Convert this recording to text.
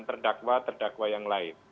terdakwa terdakwa yang lain